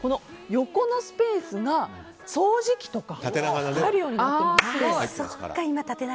横のスペースが掃除機とかが入るようになっています。